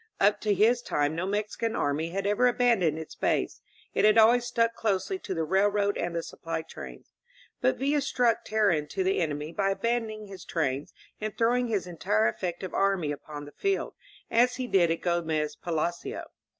Up to his time no Mexican army had ever abandoned its base; it had always stuck closely to the railroad and the supply trains. But Villa struck terror into the enemy by abandoning his trains and throwing his entire effective army upon the field, as he did at Gomez Palacio.